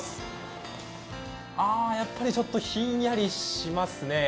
やっぱりちょっとひんやりしますね。